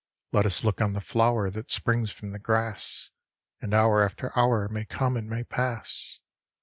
Let us look on the flower That springs from the grass, And hour after hour May come and may pass.